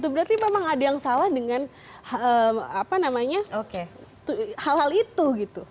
berarti memang ada yang salah dengan hal hal itu gitu